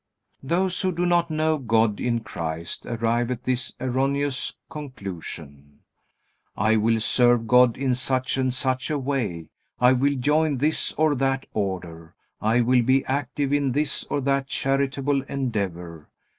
Those who do not know God in Christ arrive at this erroneous conclusion: "I will serve God in such and such a way. I will join this or that order. I will be active in this or that charitable endeavor.